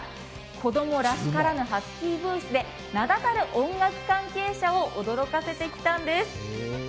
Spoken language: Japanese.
子供らしからぬハスキーボイスで名だたる音楽関係者を驚かせてきたんです。